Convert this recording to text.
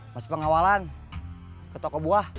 masih pengawalan ke toko buah